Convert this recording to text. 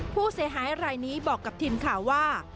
ผู้เสียหายรายนี้บอกกับทีมข่าวว่า